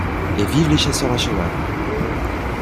Et vivent les chasseurs à cheval!